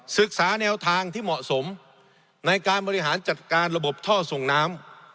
ศึกษาแนวทางที่เหมาะสมในการบริหารจัดการระบบท่อส่งน้ำ